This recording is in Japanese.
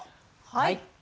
はい。